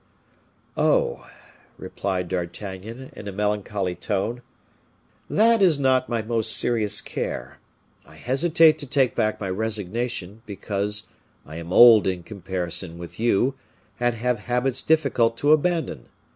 "Oh!" replied D'Artagnan, in a melancholy tone, "that is not my most serious care. I hesitate to take back my resignation because I am old in comparison with you, and have habits difficult to abandon.